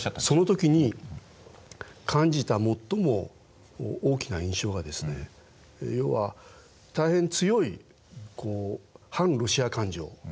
その時に感じた最も大きな印象が要は大変強い反ロシア感情。